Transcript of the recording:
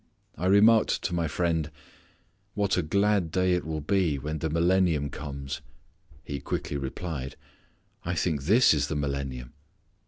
I remarked to my friend, "What a glad day it will be when the millennium comes!" He quickly replied, "I think this is the millennium."